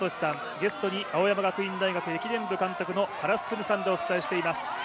ゲストに青山学院大学駅伝部監督の原晋さんでお伝えしています。